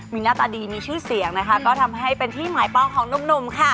มีหน้าตาดีมีชื่อเสียงนะคะก็ทำให้เป็นที่หมายป้องของหนุ่มค่ะ